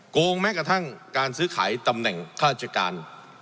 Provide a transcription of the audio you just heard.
งงแม้กระทั่งการซื้อขายตำแหน่งข้าราชการ